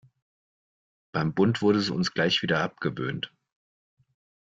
Beim Bund wurde es uns gleich wieder abgewöhnt.